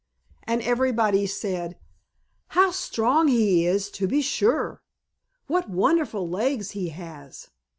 And everybody said, "How strong he is, to be sure!" "What wonderful legs he has!"